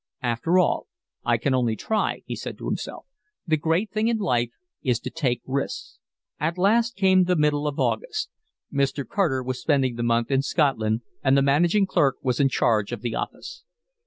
"After all, I can only try," he said to himself. "The great thing in life is to take risks." At last came the middle of August. Mr. Carter was spending the month in Scotland, and the managing clerk was in charge of the office.